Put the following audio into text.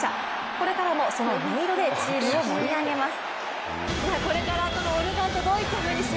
これからもその音色でチームを盛り上げます。